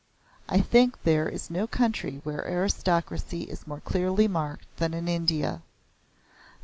I think there is no country where aristocracy is more clearly marked than in India.